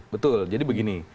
betul jadi begini